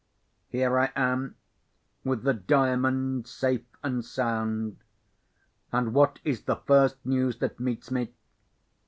Here I am, with the Diamond safe and sound—and what is the first news that meets me?